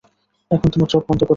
এখন তোমার চোখ বন্ধ কর।